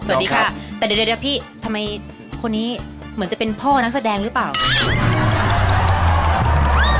สวัสดีครับน้องครับครับ